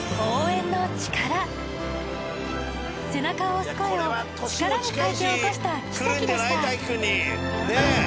背中を押す声を力に変えて起こした奇跡でした